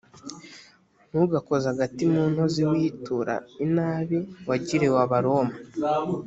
ntugakoze agati mu ntozi witura inabi wagiriwe abaroma